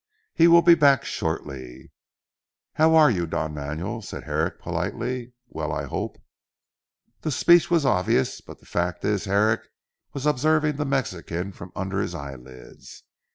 He will be back shortly." "How are you Don Manuel?" said Herrick politely. "Well, I hope?" The speech was obvious, but the fact is Herrick was observing the Mexican from under his eyelids.